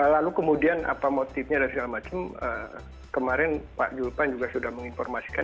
lalu kemudian apa motifnya dan segala macam kemarin pak julpan juga sudah menginformasikan